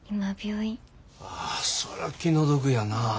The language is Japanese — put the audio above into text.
ああそら気の毒やな。